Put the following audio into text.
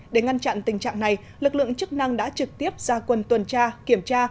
để ngăn chặn tình trạng này lực lượng chức năng đã trực tiếp ra quân tuần tra kiểm tra